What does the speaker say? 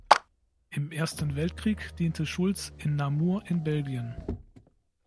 Im Ersten Weltkrieg diente Schulz in Namur in Belgien.